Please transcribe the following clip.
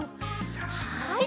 はい。